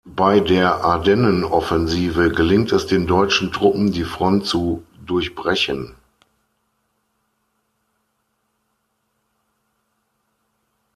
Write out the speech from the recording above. Bei der Ardennenoffensive gelingt es den deutschen Truppen, die Front zu durchbrechen.